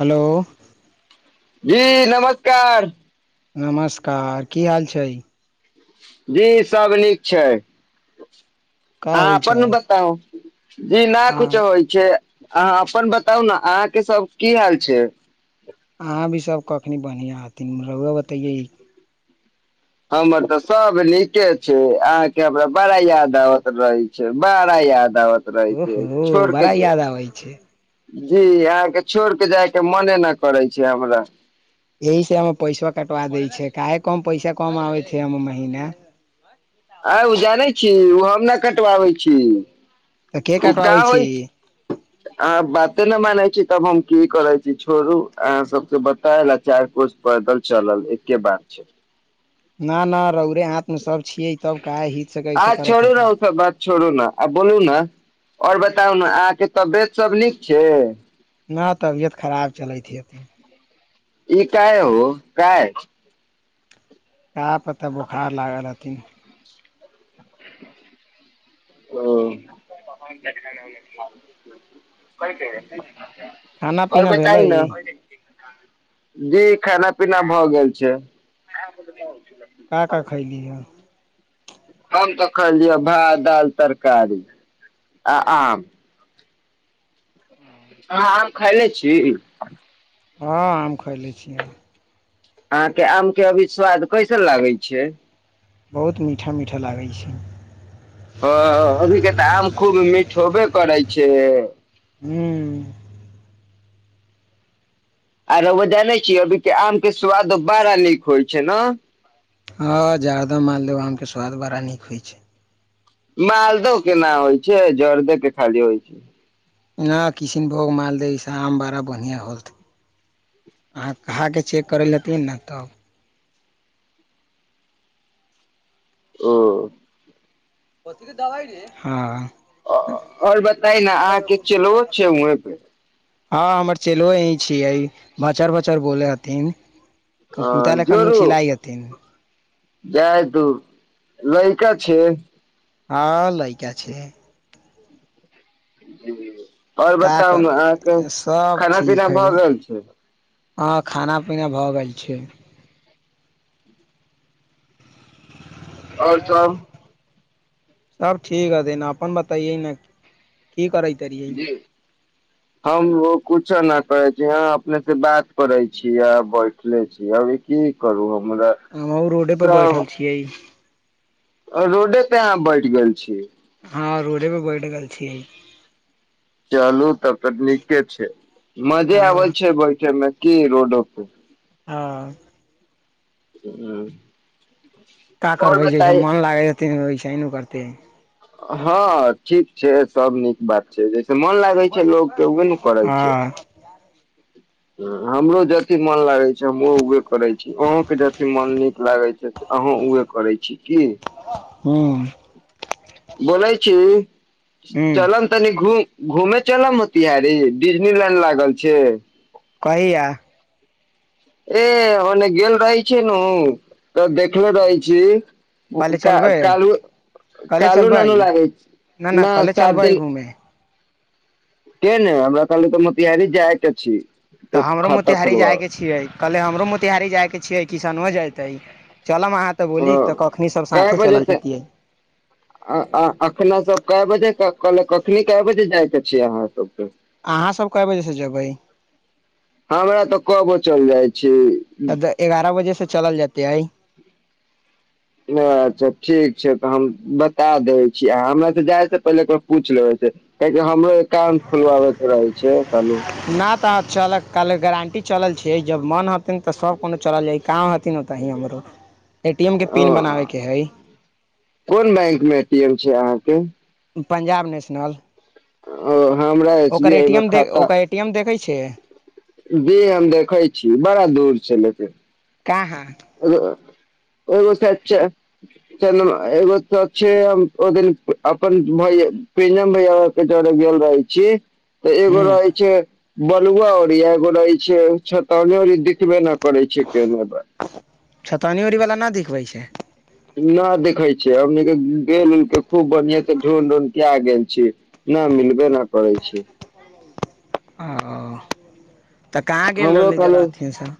Hello जी नमस्कार नमस्कार की हाल छै जी सभ नीक छै का हँ होइत अपन है न बताबू जी नहि आ कुछो होइ छै अहाँ अपन बताउ ने अहाँके सब की हाल छै अहाँ भी सब कखनी बढ़िआं हथिन रआ बतैये हमर तऽ सब नीके छै अहाँके हमरा बड़ा याद आबत रहै छै बड़ा याद दत रहै छै छोड़ ओहो क बड़ा छै याद आबै छै जी अहाँके छोड़ केऽ जायके मने न करै छै हमरा एहि से हममे पैसा कटवा दै छैै काहे कम पैसा कम आ छै अमे महिना [inaudible] आ उजा नहि छी ओ हम नहि कटवाबै छी तऽ के ओ क कटवाबै छी होइ अह बात कते ने मानै छी तब हम की करै छी छोड़ू अहाँ सबके बतायल आ चार कोस पैदल चलल एके बात छै ना ना रौरे हाथ मे सब छियै तब काह हित से कै आ छै करत छोड़ू हत ने ओ आओर बताउ ने अहाँके तबियत सभ नीक छै न तबियत खराब चलैत ह एथिन ई काय हो काय कह प तऽ बोखार लागल रहथिन ओ खाना पीना करबै तहि भेलै ने जी खाना पीना भऽ गेल छै क का खैली ह हम तऽ खलियै भात दालि तरकारी आ आम अहाँ आम खायले छी हँ आम खयलै छी हम अहाँके आम के अभी स्वाद कैसन लागै छै बहुत मीठा मीठा लागै छै ह अभी के तऽ आम खूब मिीठ होबे करै छै से हूँ आरो वजह नहि छिय अभी आम के स्वाद बड़ा नीक होइ छै ने हँ जादा मालदेब आमके स्वाद बड़ा नीक होइ छै मालदह केना होइ छै जर्दे के खाली होइ छै नहि किशनभोग मालदह ईसभ आम बड़ा बढ़िआँ होत अहाँ कहाँ कऽ चेक करय ल हेथिन ने तब ओ ओथ दबाइ र आओर बताय न अहाँके चुलहो छै वहे पे हँ हमर चेलो यीं छियै बाचार बाचार बोले हथिन हँ जरू जा तू लहिक छै हँ लैका छै जी जी जी क करबै सब खाना पीना ठीक है भऽ गेल छै ह खाना पीना भऽ गेल छ आओर च सब ठीक ह तना अपन बताइए न की करै त य हम ओ कुछो नहि करै छी यह अपने से बात करै छीिय आ बैठले छीिय अभी की करू हम हमहु रोडेपर बैठल छियै रोडे पे अहाँ बैठ गेल छी हँ रोडे परे बैठ गेल छीियै चलू तब त नीके छै मजे आबै हाँ छै बैठे मे की रोडपर हँ ह का करबै जैसे मन लागे हैसे करतै तीन हँ ठीक छै सब नीक बात छै से मन लागै छै लोग के उे ने करै हँ छै हमरो जति मन लागै छै हम ओ उे करे छी अहं के जथ मन नीक लागे छै अहाँं उे करै छी की ह्म बोलाय छी हूँ चलन तनी घू घुमे चलम होतिहारहारी डिजनी लाइन लागल छै कहिया ए ओने गेल रहै छै ने तऽ देखलो रहै छी कहले चलबै काल कहले कालो चलबै ननू लागै छै न कहले सात चलबै दिन घूमे तऽ के ने हमरा ताले तऽ मोतिहारी जायके छी तऽ एक हमरो खाता मोतिहारी जाय के खोलबाबे छियै कहले हमरो मोतिहारी जाय के छिये किसान हो जतै चलमहाँ तऽ बोली हँ तऽ कखनी सब कै साथे बजे चलल से जेतिियै अ अखना सब कए बजे कखनी कए बजे जाय छै जी अहाँ सब अहाँसभ कए बजे स जेबै हँ भरा तऽ कब चलि जाइ छै त एगारह बजे से चलल जेते हई अच्छा ठीक छै तऽ हम बता दै छी आ हमरा त जाय से पहिलेरा पूछ लेबै से काहि हमरो एकाउंट खोलवाबे के रहे छै चालू न चल कल गारं्टी चल छै जब मन हतन तऽ सब कोनो चल जाय कहाँ हथिन हो तऽ ही हमरो ए टी एम के ओ पिन बनाबे के है कोन बैंक मे ए टी एम अहाँके पंजाब नेशनल ओ हमरा एस बी ओकर आई मे एटीम ओ खाता एटी एम देखै छी छ जी हम देखै छी बड़ा दूर छै लेकिन कह हाँ गो एगो ओिन अपन भ पेम भय केटर गेल रहै छी तऽ एगोा हूँ होइ छै बलुआ री एगो रहे छै छ दिखबे न करे छै के छतानी ओरी वालला नहि दिखबै छै न देखै छियन के गेल खू बनिियएत ढल ढूनिया आ ग गेल न मिलबे नहि करै छी ओ तऽ कहाँ गेल हमरो रहली जे कहलू अथिीनसँ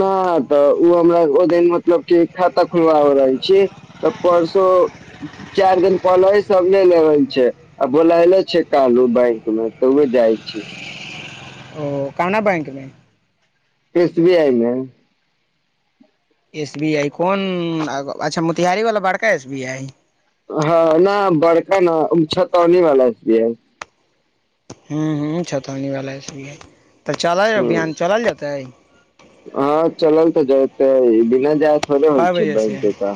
नहि तऽ ओ हमरा ओ दिन मतलब क खाता खोलबा रहल छी तऽ परसो चार दिन पहिले सब ल ले छै आ बोलले छै कल बैंक मे तऽ ओ जाइ छी ओ काना बैंक मे स भी आइ ह एस बी आई कोन अच्छा मोतिहारी वाला बड़का एस बी आई हँ न बड़का न छतौनी वाला हू ह चतावनी वाला हस भी है ह हँ चलल तऽ जा त। जा कए होइ बजेसँ बैं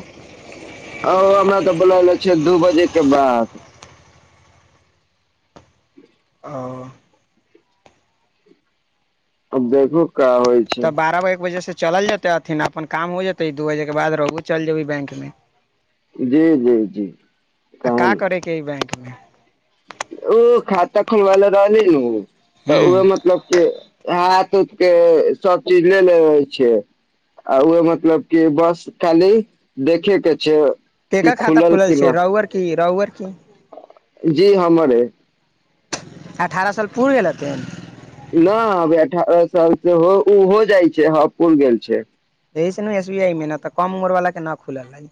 आ हमरा तऽ बोल। े दू बजे के बाद। ओ अब देखू का होइ छै तऽ बारह ब एक बजे से चलल जेतै अथिन अपन काम हो जेतै दू बजे के बाद रहब चल जेबी बैंक मे। जी जी जी आ कहन। का करैके [unintelligible] ओ खात खोल भल रह रहलल। तऽ उह हूँ मतलब क ह। सु के सब चीज ले ले छै आ ओह मतलब क बस खाली देखे के छै। कि ा खाता कि खुलल छै न रहुअर की रुर। जी हमरे। अठारह साल पूुर गेल हेथिैन। न अभ अठारह साल सेहो जाइ छै ह पुर गेल छै। यह से ने एस बी आई मेह ने त कम उमर वाला के ना खुल ली।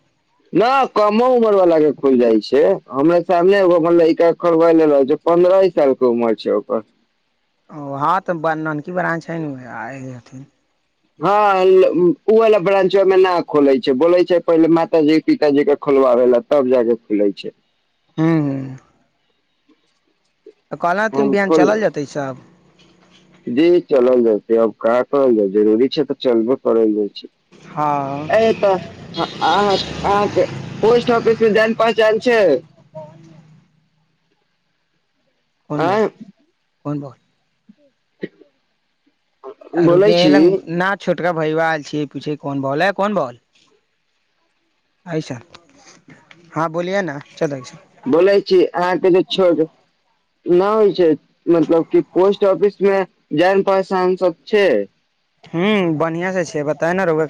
न कमो उमर वालला के खुल जाइ छै हमर सामने एगो अपन लड़िका खोलबाले छै पन्द्रह साल के उमर छै ओकर। हं तऽ नानकी ब्रान छै नेथिन। हँ ओ ल ब्रां्च ओहिमे न खोले छै बोले छै पहिले मातााजी पिताजी के खोलबाबे लए तब जाके खुले छै। हु हु। तऽ कहललाँ तीन हम बिहान खोल चलल जेतै से। जी चलल जातै अब कहाँ करल जा जरूरी छै तऽ चलबे करल जाइ हँ छै। तऽह अहाँके पोस्ट ऑफिस। धान पा चल छै। कोन बो आय कोन बल। आ रुक बोलै छी ल न छोट। भल छूनन बल ऐस हँ बोलिे ने। बोलै छी अहाँके जे। छो नहि होइ छै मतलब कि पोस्ट ऑफिस मे जान पहचान सब छै। ह बढ़ियां से छै बताय ने रोया।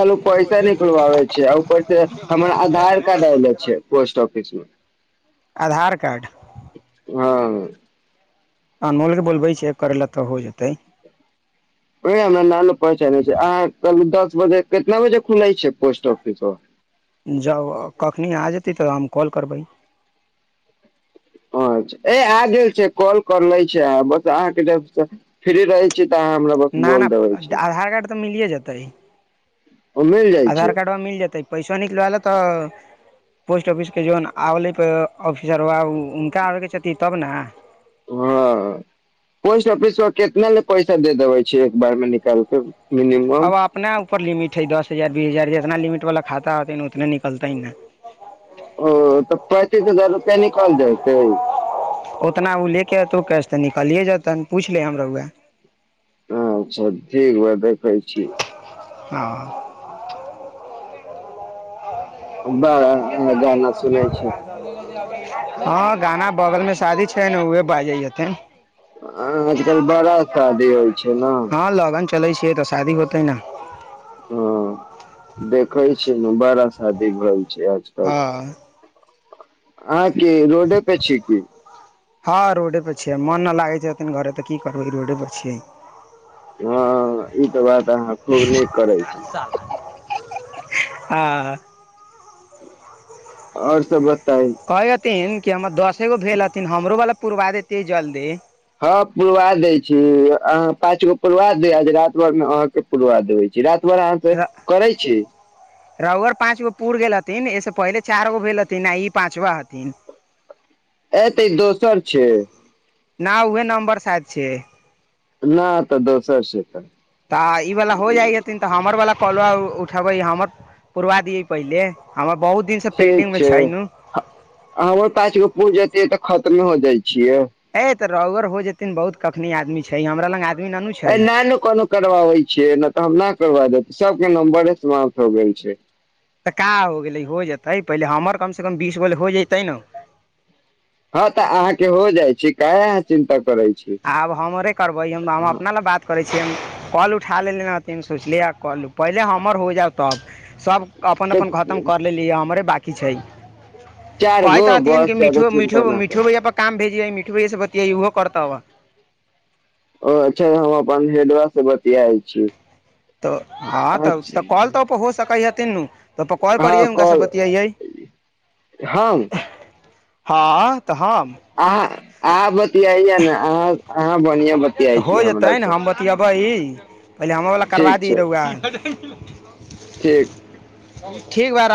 ाल पैसा निकलवाबै छै आ ऊपर से हमर आधार कार्ड ऐले छै पोस्ट ऑफिस मे। आधार कार्ड। हँ। अनमोल बोलबै छै करय लए तऽ हो जेतै। ओ हमरा नाल पहचान छै अहाँ क दस ब केतना बजे खुलाय छै पोस्ट ऑफिसो जब कखनी आ जेतै तऽ हम कॉल करबै ्छा आ द छै कॉल कर ले छै बस अहाँके फ्री रहै छी। तऽ अहाँ हमरा बस ना ना बोल देबै छै आधार कार्ड तऽ मिलिये जेतै। ओ मिल जाइ आधार छै कार्डवा मिल जेतै। टॉनिक ला लेता। पोस्ट ऑफिस के जोन आवले पर अभ [unintelligible] ओ उनका आरके छै। [unintelligible] तब ने उहां पोस्ट ऑफिस पर कितना नहि पैसा दे देबे छै एक बार मे निकालके। अब आपने ऊपर लिमिट है, दस हजार, बीस हजार जतना लिमिट वाला खाता होतै उतने निकलतै न। ओ तऽ पैंतीस हजार रुपया निकल जयते। ओ तना ओ लेके एतो कैश। तऽ निकलिये जेतैन पूछले हम रउवा। अच्छा ठीक बा देखै छी। ह। आ बड़ अहां गाना सुनै छी। ह गाना बगलमे शादी छै ने उहे बाजेया त। आजकल बड़ा शादी होइ छै ना। हँ लगन चलै छियै तऽ शादी होतै नहि। ह। देखै छिये ने बड़ा शादी भइ [unintelligible] आजकल हँ आय की रोडे पे छी की। ह रोडे पर छियै, मन न लागे छै घरे तऽ की करबै रोडे पर छियै। ह इ तऽ बात अहाँ खूब नीक करै छी। आ आओर सब ब कइतिन की हमर दस फेरो भेलहथिन हमरो वाला पुरबा देतै जल दे। ह पुरवा दै छी अहाँ पाँचगो पुरवा दियो जे रात भरमे अहाके पुरवा देैबे छी रा अहाँस करै छी। रुउर पाँचगो पुर गेलहथिन एहिस पहिले चारगो भेलहथिन आ इ पाँचवा हथिन। एते दोसर छै। ना उहे नम्बर शायद छिये। ना तऽ दोसर छैत। ता इ वाला हो जाइ हथिन तऽ हमर वाला कलवा ओ उठेबै हमर पुरवा दियै पहिले हमर बहुत दिनसँ ठीक पेंडिंगमे छै नु ह हमर पाचगो पुर जेतै तऽ खत्म हो जाइ। छियै एते रोऊर हो जेतिन बहुत क अखनी आदमी छै, हमरा लंग आद ए नहि नहि कोनो करवाबे छिये, नहि तऽ हम ना करवा दे सबके नम्बरें समाप्त हो गेल छै। तऽ का हो गेलै हो जेतै पहिले हमर कमसँ कम बीस बोल हो जतै नहि। ह तऽ अहाके हो जाइ छी, काहे अहाँ चिन्ता करै छी आब हमरे करबै हम हम हँ अपना ल बात करै छीयै, कॉल उठा लेले हथिन सोचलिये कॉल पहिले हमर होइ जा। तब सब अपन अपन खतम तऽ कर लेली हमरे बाकी की छै। चार गो कहत रहतियन की बस जादा मिठियों चिन्ता मिठियों ना करू मीठू भैया पर काम भे इ ए मिट्ठू भैया से बतियेबो करता उहां। ओ अच्छा हम अपन हेडवा से बतियाइ छी। तऽ ह तऽ तऽ कॉल तऽ ओ पर हो सके ह। तीनू ह कॉल ह। ह। अहाँ अहाँ बतियेये ने अहाँ अहाँ बढ़िया बतियाइ छी हो हमरा जेतै ने से। हम बतियबै [unintelligible] पहिले हमर वला करबा ठीक दी छै रउवा। ठीक। ठीक भाए र